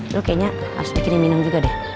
lu kayaknya harus bikin minum juga deh